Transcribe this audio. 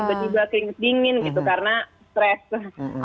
tiba tiba keringat dingin gitu karena stress tuh